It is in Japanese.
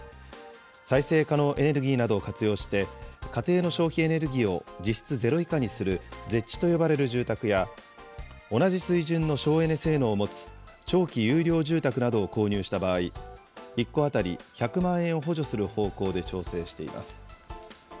再生可能エネルギーなどを活用して、家庭の消費エネルギーを実質ゼロ以下にするＺＥＨと呼ばれる住宅や、同じ水準の省エネ性能を持つ長期優良住宅などを購入した場合、１戸当たり１００万円を補助する方向で調整しています。